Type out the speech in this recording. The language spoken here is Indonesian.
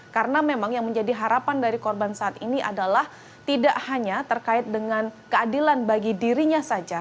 karena memang yang menjadi harapan dari korban saat ini adalah tidak hanya terkait dengan keadilan bagi dirinya saja